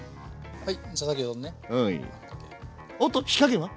はい。